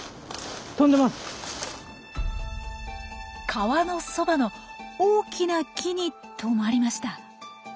川のそばの大きな木に止まりました。